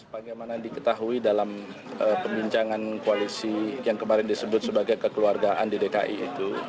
bagaimana diketahui dalam pembincangan koalisi yang kemarin disebut sebagai kekeluargaan di dki itu